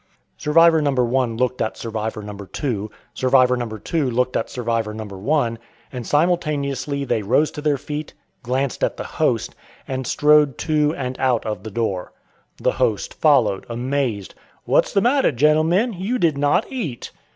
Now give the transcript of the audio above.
Survivor No. 1 looked at Survivor No. 2, Survivor No. 2 looked at Survivor No. 1, and simultaneously they rose to their feet, glanced at the "host," and strode to and out of the door. The "host" followed, amazed. "What's the matter, gentlemen? You did not eat."